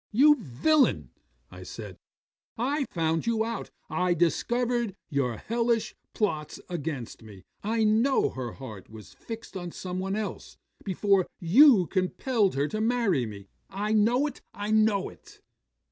'"You villain," said I, "I found you out: I discovered your hellish plots against me; I know her heart was fixed on some one else before you compelled her to marry me. I know it I know it."